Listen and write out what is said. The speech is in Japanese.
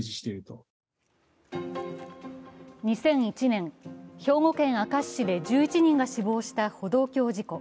２００１年、兵庫県明石市で１１人が死亡した歩道橋事故。